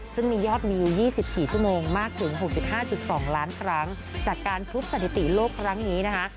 ซึ่งมียอดวิว๒๔ชั่วโมงมากถึง๖๕๒ล้านครั้งจากการทุบสถิติโลกครั้งนี้นะคะ